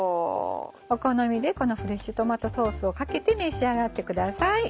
お好みでこのフレッシュトマトソースをかけて召し上がってください。